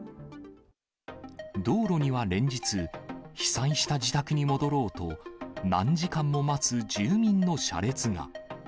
道路には連日、被災した自宅に戻ろうと、何時間も待つ住民の車列が。